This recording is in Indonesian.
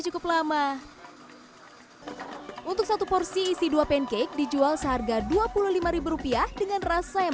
cukup lama untuk satu porsi isi dua pancake dijual seharga dua puluh lima rupiah dengan rasa yang